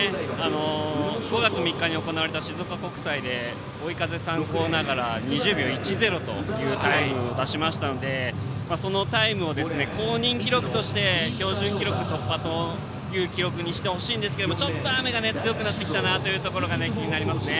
５月３日に行われた静岡国際で追い風参考ながら２０秒１０というタイムを出しましたのでそのタイムを公認記録として標準記録突破の記録にしてほしいんですけどちょっと雨が強くなってきたところが気になりますね。